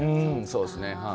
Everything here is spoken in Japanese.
そうですね。